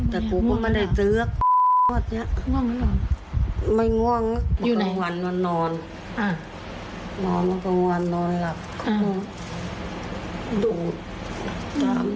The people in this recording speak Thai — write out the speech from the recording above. ชอบหรอไม่ง่วงอะไม่ง่วงปลากลางวันนอนนอนปลากลางวันนอนหลับดูดจ้าม